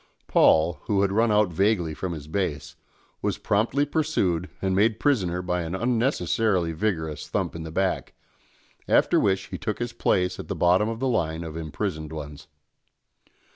Paul, who had run out vaguely from his base, was promptly pursued and made prisoner by an unnecessarily vigorous thump in the back, after which he took his place at the bottom of the line of imprisoned ones.